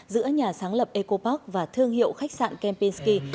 giữa nhà sáng lập eco park và thương hiệu khách sạn kempinsky